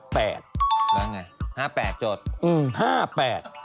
แล้วไง๕๘จด